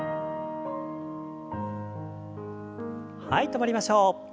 はい止まりましょう。